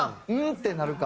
ってなるか。